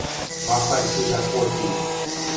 Махань худа коти!..